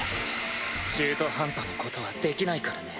中途半端なことはできないからね。